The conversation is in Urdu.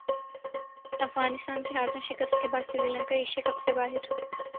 افغانستان کے ہاتھوں شکست کے بعد سری لنکا ایشیا کپ سے باہر